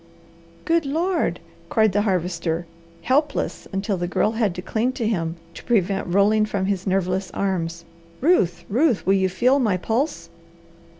"Good Lord!" cried the Harvester, helpless until the Girl had to cling to him to prevent rolling from his nerveless arms. "Ruth, Ruth, will you feel my pulse?"